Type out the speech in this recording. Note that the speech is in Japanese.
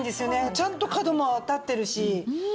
ちゃんと角も立ってるし。